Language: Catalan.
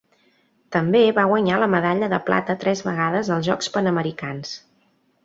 També va guanyar la medalla de plata tres vegades als Jocs Panamericans.